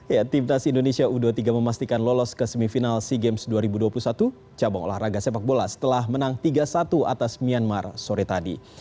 ya timnas indonesia u dua puluh tiga memastikan lolos ke semifinal sea games dua ribu dua puluh satu cabang olahraga sepak bola setelah menang tiga satu atas myanmar sore tadi